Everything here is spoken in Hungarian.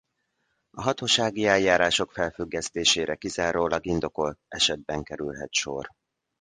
A hatósági eljárások felfüggesztésére kizárólag indokolt esetben kerülhet sor.